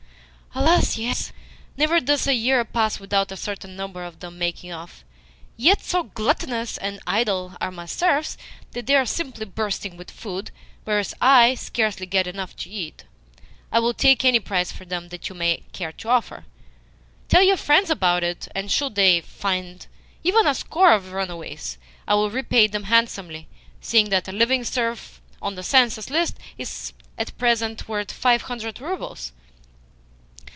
"Alas, yes. Never does a year pass without a certain number of them making off. Yet so gluttonous and idle are my serfs that they are simply bursting with food, whereas I scarcely get enough to eat. I will take any price for them that you may care to offer. Tell your friends about it, and, should they find even a score of the runaways, it will repay them handsomely, seeing that a living serf on the census list is at present worth five hundred roubles."